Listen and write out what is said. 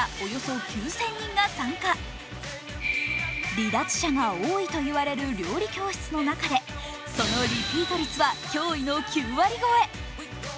離脱者が多いと図いわれる料理教室の中でそのリピート率は驚異の９割超え。